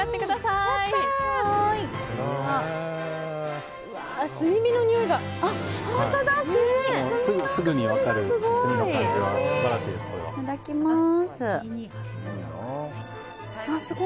いただきます。